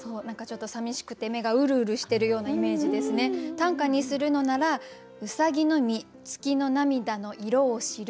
短歌にするのなら「兎のみ月の涙の色を知る」。